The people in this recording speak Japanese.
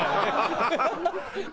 ハハハハ！